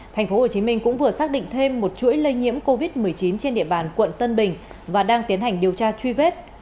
tp hcm cũng vừa xác định thêm một chuỗi lây nhiễm covid một mươi chín trên địa bàn quận tân bình và đang tiến hành điều tra truy vết